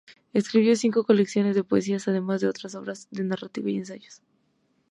Escribió cinco colecciones de poesías, además de otras obras de narrativa y ensayos.